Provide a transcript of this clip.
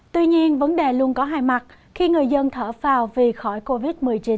tuy nhiên vấn đề luôn có hai mặt khi người dân thở phào vì khỏi covid một mươi chín